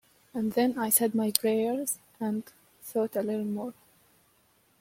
And then I said my prayers and thought a little more.